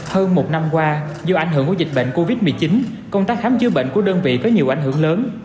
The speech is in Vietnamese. hơn một năm qua do ảnh hưởng của dịch bệnh covid một mươi chín công tác khám chữa bệnh của đơn vị có nhiều ảnh hưởng lớn